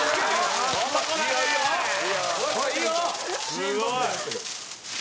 「すごい！」